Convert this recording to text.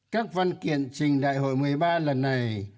các văn kiện trình đại hội một mươi ba lần này